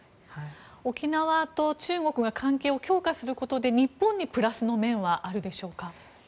沖縄と中国が関係を強化することで日本にプラスの面はあるでしょうか？